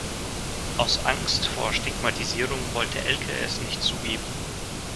Aus Angst vor Stigmatisierung wollte Elke es nicht zugeben.